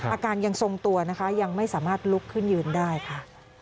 อาการยังทรงตัวนะคะยังไม่สามารถลุกขึ้นยืนได้ค่ะ